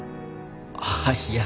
あっいや。